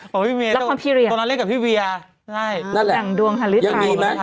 ของพี่เมย์ละครพิเรียตอนนั้นเล่นกับพี่เบียร์ใช่นั่นแหละดั่งดวงหรือใครยังมีมั้ย